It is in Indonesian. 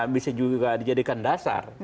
bisa juga dijadikan dasar